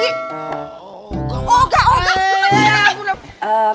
oh enggak enggak